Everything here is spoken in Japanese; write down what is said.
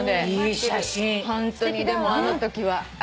ホントにでもあのときはありがとう。